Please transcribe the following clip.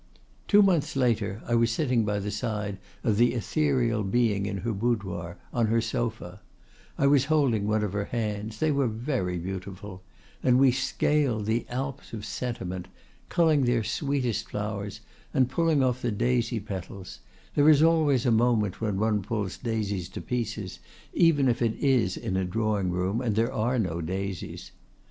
"Two months later I was sitting by the side of the ethereal being in her boudoir, on her sofa; I was holding one of her hands—they were very beautiful—and we scaled the Alps of sentiment, culling their sweetest flowers, and pulling off the daisy petals; there is always a moment when one pulls daisies to pieces, even if it is in a drawing room and there are no daisies.